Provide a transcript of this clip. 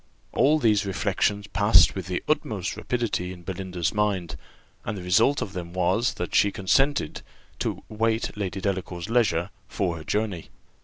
All these reflections passed with the utmost rapidity in Belinda's mind, and the result of them was, that she consented to wait Lady Delacour's leisure for her journey.